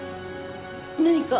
何か？